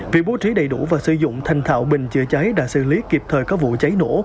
việc bố trí đầy đủ và sử dụng thanh thạo bình chữa cháy đã xử lý kịp thời các vụ cháy nổ